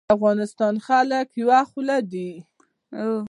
د افغانستان خلک یوه خوله دي